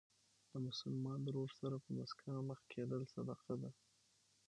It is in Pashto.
له مسلمان ورور سره په مسکا مخ کېدل صدقه ده.